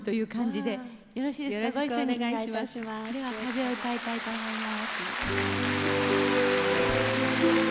では「風」を歌いたいと思います。